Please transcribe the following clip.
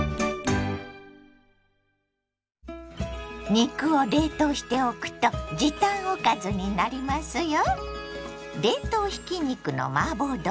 肉を冷凍しておくと時短おかずになりますよ。